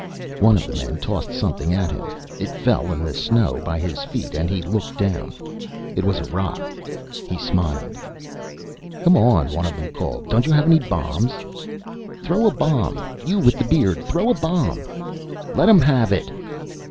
One of the men tossed something at him. It fell in the snow by his feet, and he looked down. It was a rock. He smiled. "Come on!" one of them called. "Don't you have any bombs?" "Throw a bomb! You with the beard! Throw a bomb!" "Let 'em have it!"